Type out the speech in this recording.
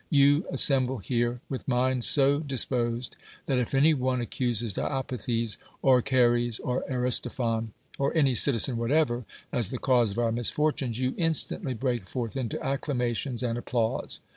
You assemble here, with minds so dis posed, that if any one accuses Diopithes, or Chares, or Aristophon, or any citizen whatever, as the cause of our misfortunes, you instantly break forth into acclamations and applause.